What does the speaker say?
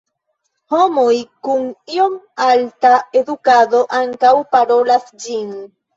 Homoj kun iom alta edukado ankaŭ parolas ĝin.